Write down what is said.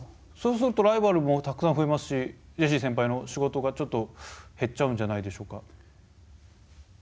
そうするとライバルもたくさん増えますしジェシーセンパイの仕事がちょっと減っちゃうんじゃないでしょうか。